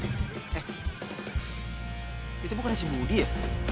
eh itu bukan si budi ya